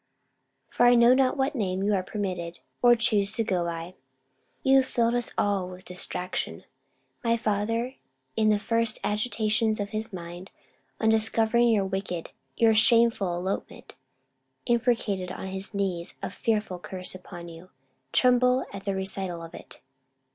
For I know not what name you are permitted, or choose to go by. You have filled us all with distraction. My father, in the first agitations of his mind, on discovering your wicked, your shameful elopement, imprecated on his knees a fearful curse upon you. Tremble at the recital of it!